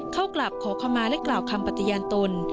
เข้ากลับขอขมาและกล่าวคำปฏิญาณตน